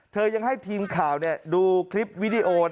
ยังให้ทีมข่าวดูคลิปวิดีโอ